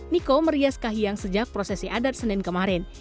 niko merias kahiyang sejak prosesi adat senin kemarin